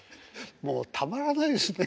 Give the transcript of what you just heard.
もうたまらないですね